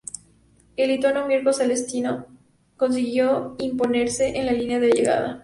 El lituano Mirko Celestino consiguió imponerse en la línea de llegada.